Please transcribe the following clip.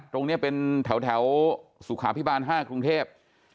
ตรงนี้เป็นแถวสุขาพิบาล๕กรุงเทพ